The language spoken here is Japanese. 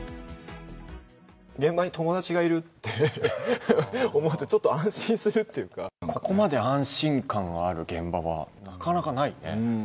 現場に友達がいるって思うと、ここまで安心感がある現場は、なかなかないね。